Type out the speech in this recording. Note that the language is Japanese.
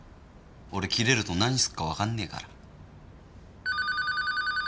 俺キレると何すっかわかんねえから。